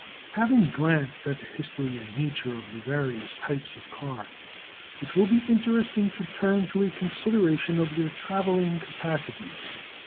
Having glanced at the history and nature of the various types of car, it will be interesting to turn to a consideration of their travelling capacities.